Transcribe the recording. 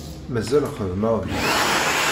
Mazal xeddmeɣ deg-s.